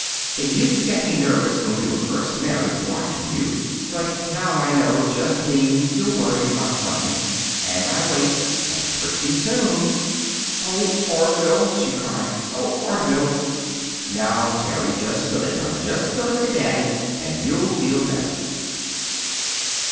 It used to get me nervous, when we were first married, watching you. But now I know it just means you're worried about something, and I wait, and pretty soon " "Oh, Orville!" she cried then. "Oh, Orville!" "Now, Terry. Just spill it, hon. Just spill it to Daddy. And you'll feel better."